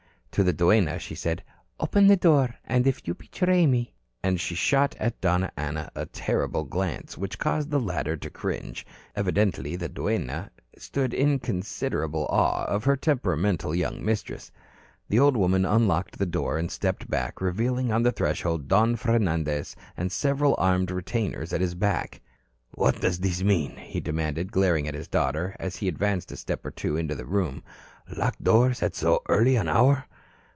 To the duenna, she said: "Open the door. And if you betray me " And she shot at Donna Ana a terrible glance, which caused the latter to cringe. Evidently, the duenna stood in considerable awe of her temperamental young mistress. The old woman unlocked the door and stepped back, revealing on the threshold Don Fernandez with several armed retainers at his back. "What does this mean?" he demanded, glaring at his daughter as he advanced a step or two into the room. "Locked doors at so early an hour?"